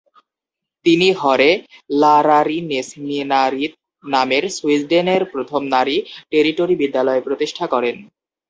তিনি হরে লারারিনেসমিনারিত নামের সুইডেনের প্রথম নারী টেরিটরি বিদ্যালয় প্রতিষ্ঠা করেন।